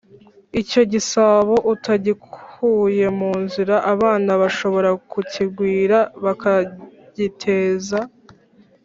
icyo gisabo utagikuye mu nzira abana bashobora kukigwira bakagiteza